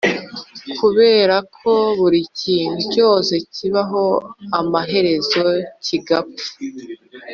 kubera ko buri kintu cyose kibaho amaherezo kigapfa.